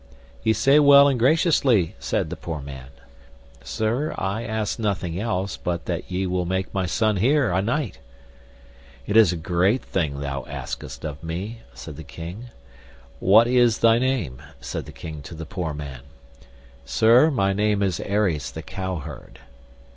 Ye say well and graciously, said the poor man; Sir, I ask nothing else but that ye will make my son here a knight. It is a great thing thou askest of me, said the king. What is thy name? said the king to the poor man. Sir, my name is Aries the cowherd.